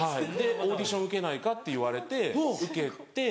オーディション受けないかって言われて受けて。